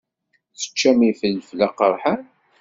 Teččam ifelfel aqeṛḥan.